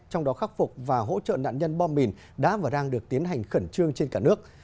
trong đó khắc phục và hỗ trợ nạn nhân bom mìn đã và đang được tiến hành khẩn trương trên cả nước